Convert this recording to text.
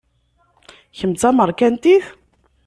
Kemm d tamerkantit?